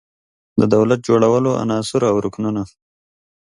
د دولت جوړولو عناصر او رکنونه